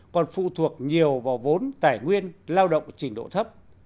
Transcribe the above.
còn phụ thuộc nhiều vào vốn tài nguyên lao động trình độ thấp